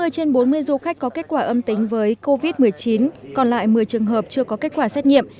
ba mươi trên bốn mươi du khách có kết quả âm tính với covid một mươi chín còn lại một mươi trường hợp chưa có kết quả xét nghiệm